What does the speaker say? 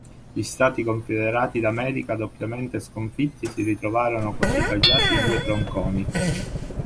Gli Stati Confederati d'America, doppiamente sconfitti, si ritrovarono così tagliati in due tronconi.